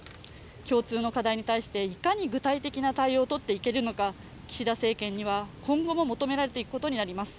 共通の課題に対していかに具体的な対応をとっていけるのか、岸田政権には今後も求められていくことになります。